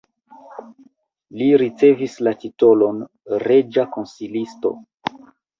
Li ricevis la titolon reĝa konsilisto.